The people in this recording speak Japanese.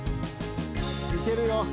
いけるよ。